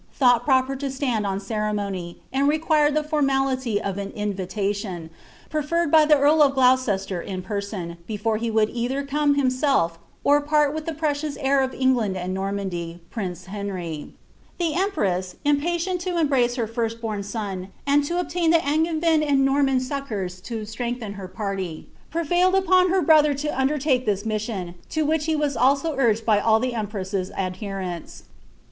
thought proper to stand on crreinotiy, iti re<)uired the formality of an invitation, preferred by the entl of QlouMMcr in person, before he would either come himself, or part with the pttdem heir of England and Normandy, prince Henry. The empreas, iaipaiitf ! her firsi bom son, and to obtain the Angevin and KmMB ' Halmstmry. MATILDA OP BOULOGNE. 159 fDCCoura to strengthen her party, prevailed upon her brother to under lAe this mission, to which he was also urged by all the empress's idherents.